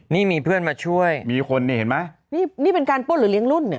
นี่มีเพื่อนมาช่วยมีคนนี่เห็นไหมนี่นี่เป็นการป้นหรือเลี้ยรุ่นเนี่ย